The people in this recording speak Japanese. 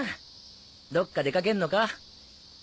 どっか出掛けんのか？